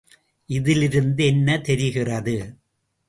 இதிலிருந்து என்ன தெரிகிறது?